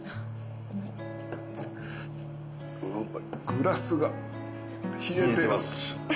グラスが冷えてる。